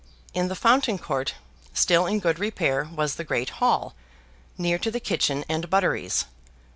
In the fountain court, still in good repair, was the great hall, near to the kitchen and butteries.